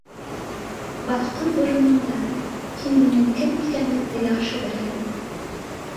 — Баҫҡан урынында, һин минең кем икәнлекте яҡшы беләһең